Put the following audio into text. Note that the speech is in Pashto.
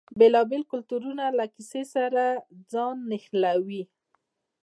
بیلابیل کلتورونه له کیسې سره ځان نښلوي.